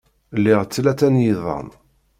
Liɣ tlata n yiḍan.